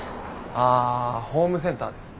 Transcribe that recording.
あホームセンターです。